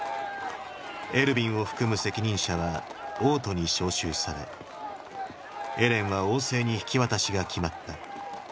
エルヴィンを含む責任者は王都に招集されエレンは王政に引き渡しが決まった。